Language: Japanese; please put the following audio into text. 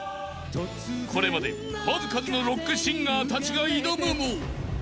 ［これまで数々のロックシンガーたちが挑むも］